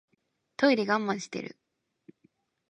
トイレ我慢してる